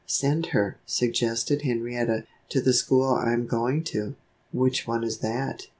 "Send her," suggested Henrietta, "to the school I'm going to." "Which one is that?"